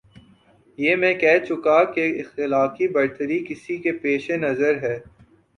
یہ میں کہہ چکا کہ اخلاقی برتری کسی کے پیش نظر ہے۔